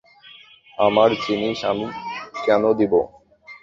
আমার জিনিস আমি কেন দিব।